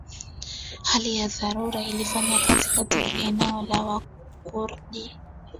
hali ya dharura ilifanya kazi katika eneo la Wakurdi